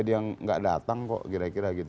dia nggak datang kok kira kira gitu